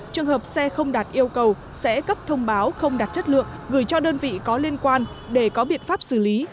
trường hợp xe không đạt yêu cầu sẽ cấp thông báo không đạt chất lượng gửi cho đơn vị có liên quan để có biện pháp xử lý